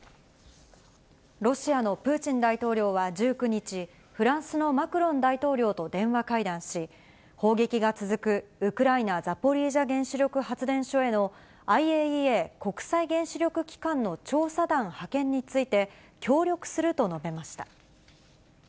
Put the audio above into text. ロシアのプーチン大統領は１９日、フランスのマクロン大統領と電話会談し、砲撃が続くウクライナ・ザポリージャ原子力発電所へのＩＡＥＡ・国際原子力機関の調査団派遣について、協力すると述べました。